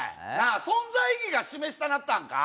あ存在意義が示したなったんか？